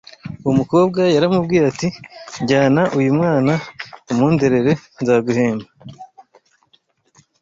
uwo mukobwa yaramubwiye ati jyana uyu mwana umunderere nzaguhemba